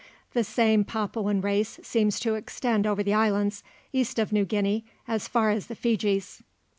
The same Papuan race seems to extend over the islands east of New Guinea as far as the Fijis.